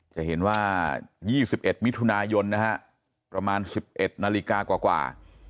จะเห็นว่ายี่สิบเอ็ดมิถุนายนนะฮะประมาณสิบเอ็ดนาฬิกากว่า